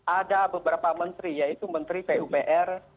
ada beberapa menteri yaitu menteri pupr